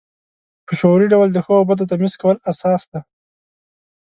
په شعوري ډول د ښو او بدو تمیز کول اساس دی.